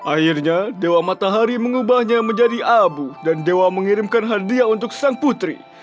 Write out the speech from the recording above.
akhirnya dewa matahari mengubahnya menjadi abu dan dewa mengirimkan hadiah untuk sang putri